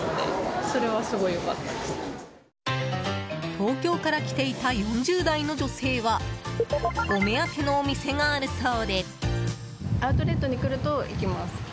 東京から来ていた４０代の女性はお目当てのお店があるそうで。